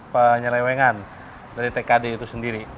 penyelewengan dari tkd itu sendiri